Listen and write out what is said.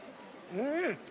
・うん！